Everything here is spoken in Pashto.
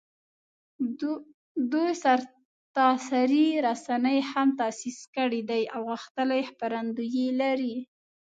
دوی سرتاسري رسنۍ هم تاسیس کړي دي او غښتلي خپرندویې لري